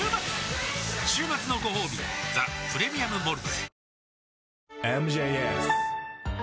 週末のごほうび「ザ・プレミアム・モルツ」